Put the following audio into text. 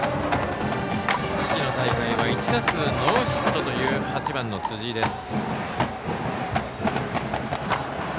秋の大会は１打数ノーヒットという８番の辻井です。